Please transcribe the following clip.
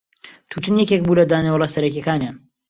تووتن یەکێک بوو لە دانەوێڵە سەرەکییەکانیان.